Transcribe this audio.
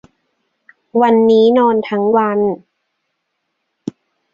วันนี้นอนทั้งวัน